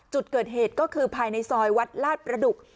จุดเกิดเหตุก็คือภายในซอยวัดลาดประดุก